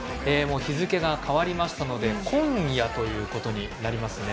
日付が変わりましたので今夜ということになりますね。